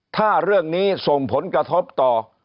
ถ้าเรื่องนี้ส่งผลกระทบต่อ